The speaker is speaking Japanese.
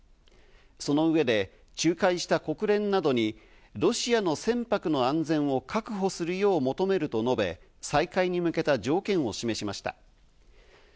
その上で仲介した国連などにロシアの船舶の安全を確保するよう求めると述べ、再開に向けた条件を示しました。